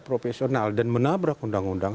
profesional dan menabrak undang undang